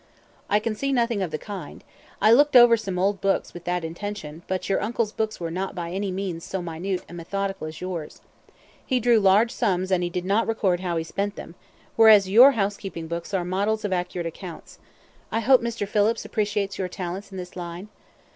"I can see nothing of the kind. I looked over some old books with that intention, but your uncle's books were not by any means so minute and methodical as yours. He drew large sums and did not record how he spent them, whereas your housekeeping books are models of accurate accounts. I hope Mr. Phillips appreciates your talents in this line?"